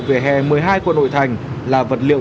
vỉa hè một mươi hai quận nội thành là vật liệu